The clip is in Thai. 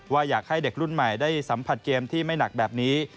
อยากให้เด็กรุ่นใหม่ได้สัมผัสเกมที่ไม่หนักแบบนี้